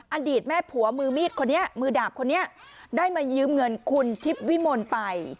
อดีตแม่ผัวมือมีดคนนี้มือดาบคนนี้ได้มายืมเงินคุณทิพย์วิมลไป